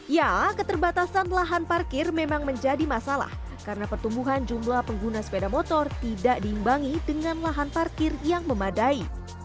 ya keterbatasan lahan parkir memang menjadi masalah karena pertumbuhan jumlah pengguna sepeda motor tidak diimbangi dengan lahan parkir yang memadai